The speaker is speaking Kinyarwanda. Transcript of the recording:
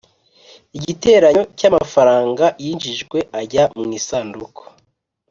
igiteranyo cy amafaranga yinjijwe ajya mu isanduku